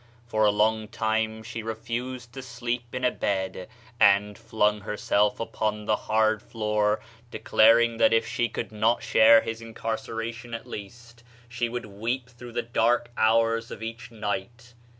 For a long time she refused to sleep in a bed, and flung herself upon the hard floor, declaring that if she could not share his incarceration, at least, she would weep through the dark hours of each night.